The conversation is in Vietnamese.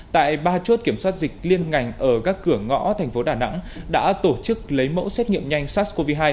tại ba chốt kiểm soát dịch liên ngành ở các cửa ngõ thành phố đà nẵng đã tổ chức lấy mẫu xét nghiệm nhanh sars cov hai